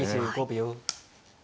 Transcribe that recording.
２５秒。